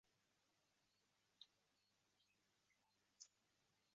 Yoshlar bandligini ta'minlash uchun amalga oshiriladigan vazifalar belgilab berildi